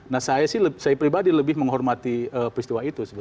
nah saya sih saya pribadi lebih menghormati peristiwa itu